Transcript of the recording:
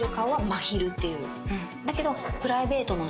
だけど。